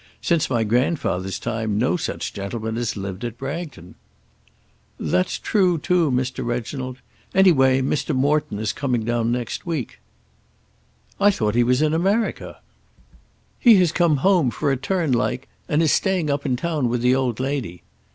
Since my grandfather's time no such gentleman has lived at Bragton." "That's true, too, Mr. Reginald. Any way Mr. Morton is coming down next week." "I thought he was in America." "He has come home, for a turn like, and is staying up in town with the old lady."